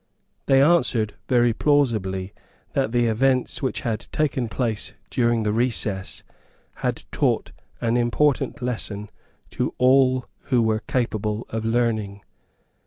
They answered very plausibly that the events which had taken place during the recess had taught an important lesson to all who were capable of learning.